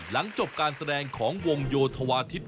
หลังจบการแสดงของวงโยธวาทิศ